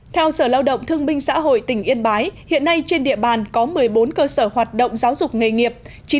theo sở lao động thương minh xã hội tỉnh yên bái hiện nay trên địa bàn có một mươi bốn cơ sở hoạt động giáo dục nghề nghiệp